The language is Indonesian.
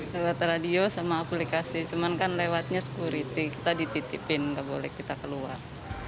lewat radio sama aplikasi cuman kan lewatnya security kita dititipin nggak boleh kita keluar